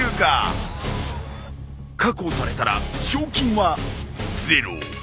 確保されたら賞金はゼロ。